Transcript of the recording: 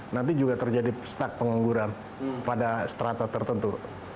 nanti juga terjadi stuck pengangguran pada strata tertentu